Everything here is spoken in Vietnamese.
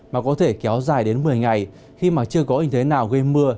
mà có thể kéo dài đến một mươi ngày khi mà chưa có hình thế nào gây mưa